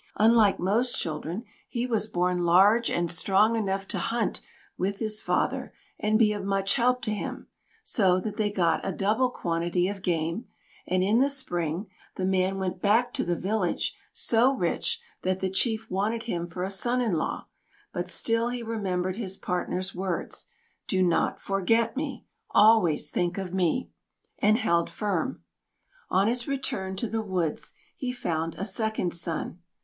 Unlike most children, he was born large and strong enough to hunt with his father, and be of much help to him, so that they got a double quantity of game, and in the Spring the man went back to the village so rich that the Chief wanted him for a son in law; but still he remembered his partner's words, "Do not forget me. Always think of me," and held firm. On his return to the woods he found a second son.